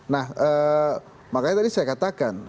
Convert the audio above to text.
nah makanya tadi saya katakan